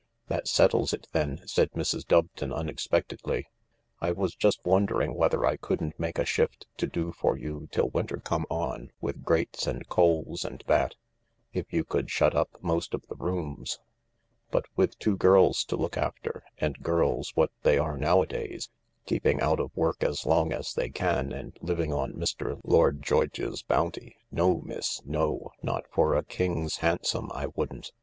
"That settles it then," said Mrs, Doveton unexpectedly. " I was just wondering whether I couldn't make a shift to do for you till winter come on, with grates and coals and that, if you could shut up most of the rooms ; but with two girls to look after, and girls what they are nowadays, keeping out of work as long as they can and living on Mr. Lord Joyge's bounty— no, miss, no— not for a king's hansom, I wouldn't."